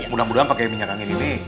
mudah mudahan pakai minyak angin ini